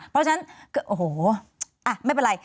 เพราะฉะนั้นโอ้โหไม่เป็นไร